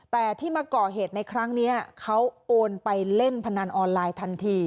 แต่ที่มาก่อเหตุในครั้งนี้เขาโอนไปเล่นพนันออนไลน์ทันที